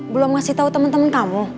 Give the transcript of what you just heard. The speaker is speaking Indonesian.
belum ngasih tau temen temen kamu